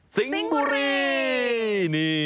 สิงบุรี